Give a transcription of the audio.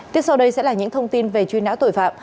tiếp sau đây sẽ là những thông tin về truy nã tội phạm